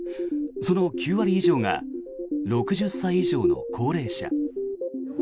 その９割以上が６０歳以上の高齢者。